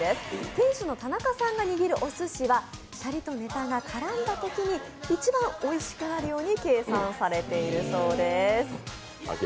店主の田中さんが握るおすしはシャリとネタが絡んだときに一番おいしくなるように計算されているそうです。